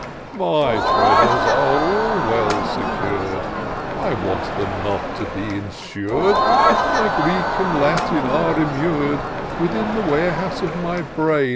My treasures are all well secur'd, I want them not to be insur'd : My Greek and Latin are immur'd Within the warehouse of my brain.